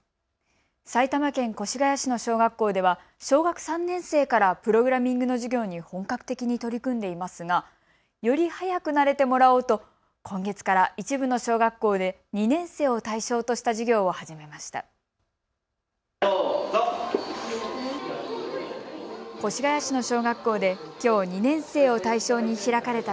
埼玉県越谷市の小学校では小学３年生からプログラミングの授業に本格的に取り組んでいますがより早く慣れてもらおうと今月から一部の小学校で２年生を対象とした授業を始めました。